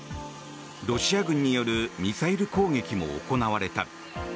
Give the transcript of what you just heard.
ロシア軍によるミサイル攻撃も行われた。